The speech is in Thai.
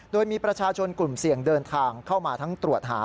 โดยมีประชาชนกลุ่มเสี่ยงเดินทางเข้ามาทั้งตรวจหา